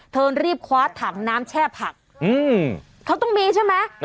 รีบคว้าถังน้ำแช่ผักเขาต้องมีใช่ไหม